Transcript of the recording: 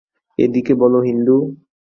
এ দিকে বল হিন্দু!